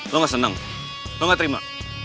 lo gak senang lo gak terima